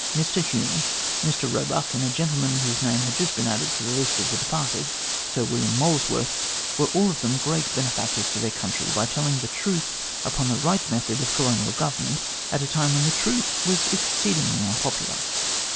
Mr Hume, 268 THE GLADSTONE COLONY Mr Eoebuck, and a gentleman whose name had just been added to the list of the departed Sir William Moles worth were all of them great benefactors to their country by telling the truth upon the right method of colonial govern ment, at a time when the truth was exceedingly unpopular.